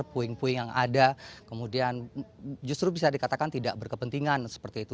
puing puing yang ada kemudian justru bisa dikatakan tidak berkepentingan seperti itu